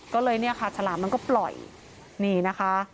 ก็เลยเนี่ยค่ะฉลามมันก็ปล่อยนี่นะคะ